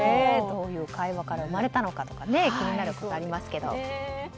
どういう会話から生まれたのかとか気になりますけど。